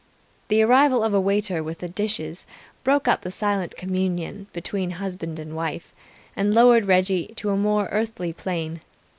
The arrival of a waiter with dishes broke up the silent communion between husband and wife, and lowered Reggie to a more earthly plane.